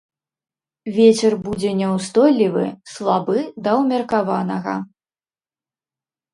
Вецер будзе няўстойлівы, слабы да ўмеркаванага.